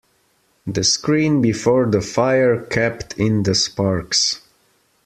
The screen before the fire kept in the sparks.